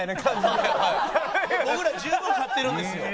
僕ら十分勝ってるんですよ。